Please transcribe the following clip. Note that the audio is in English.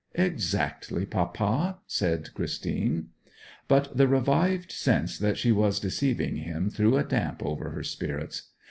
'Exactly, papa,' said Christine. But the revived sense that she was deceiving him threw a damp over her spirits.